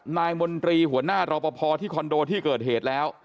มนตรีหัวหน้ารอปภที่คอนโดที่เกิดเหตุแล้ว